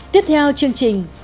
tiếp theo chương trình